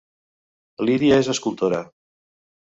Lídia és escultora